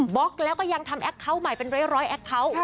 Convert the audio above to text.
ล็อกแล้วก็ยังทำแอคเคาน์ใหม่เป็นร้อยแอคเคาน์